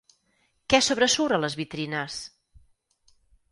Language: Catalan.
Què sobresurt a les vitrines?